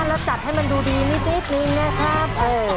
แล้วจัดให้มันดูดีนิดนึงนะครับ